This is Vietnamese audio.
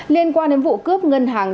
liên quan đến vụ cướp ngân hàng